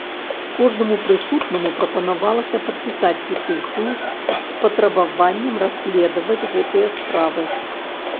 Кожнаму прысутнаму прапанавалася падпісаць петыцыю з патрабаваннем расследаваць гэтыя справы.